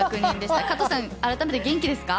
加藤さん、改めて元気ですか？